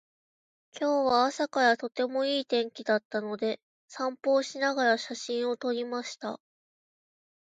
今日は朝からとてもいい天気だったので、散歩をしながら写真を撮りました。